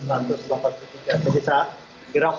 jadi saya kira optimis di rusia